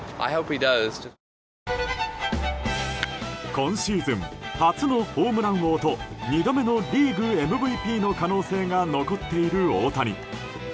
今シーズン初のホームラン王と２度目のリーグＭＶＰの可能性が残っている大谷。